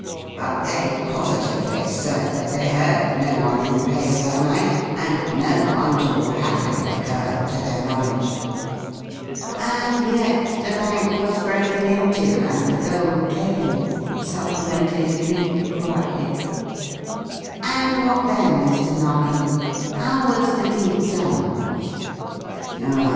But they positively assert that they heard no one in the place that night, and no untoward happening occurred to their knowledge." "And yet the bank was broken into, and the gold taken," supplemented Cleek quietly. "And what then, Mr. Narkom? How was the deed done?"